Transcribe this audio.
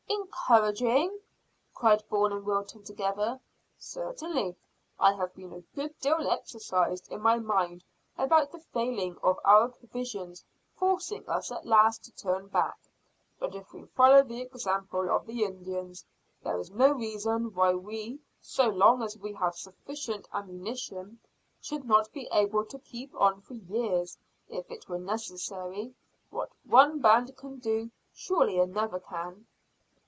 "Encouraging?" cried Bourne and Wilton together. "Certainly. I have been a good deal exercised in my mind about the failing of our provisions forcing us at last to turn back, but if we follow the example of the Indians there is no reason why we, so long as we have sufficient ammunition, should not be able to keep on for years if it were necessary. What one band can do, surely another can."